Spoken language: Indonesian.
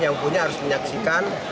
yang punya harus menyaksikan